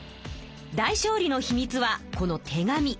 大勝利のひみつはこの手紙。